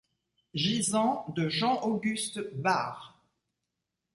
Gisant de Jean-Auguste Barre.